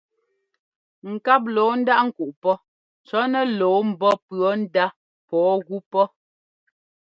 Ŋkáp lɔɔ ndáꞌ kúꞌ pɔ́ cɔ̌ nɛ lɔɔ mbɔ́ pʉɔ ndá pɔɔ gú pɔ́.